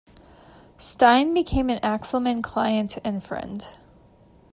Stein became an Axelman client and friend.